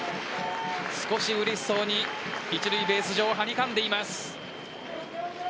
少しうれしそうに一塁ベース上はにかんでいます。